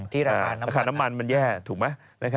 ที่ราคาน้ำมันอะเจ๊พน้ำมันแย่ถูกมั้ย